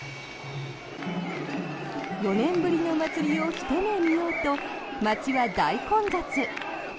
４年ぶりの祭りをひと目見ようと街は大混雑。